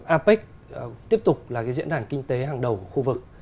apec tiếp tục là diễn đàn kinh tế hàng đầu khu vực